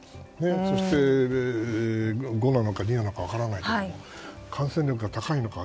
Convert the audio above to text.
そして、５なのか２なのか分からないけども感染力が高いのか。